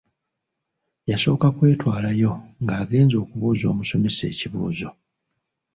Yasooka kwetwalayo nga agenze okubuuza omusomesa ekibuuzo.